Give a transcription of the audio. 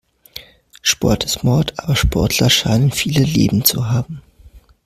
Sport ist Mord, aber Sportler scheinen viele Leben zu haben.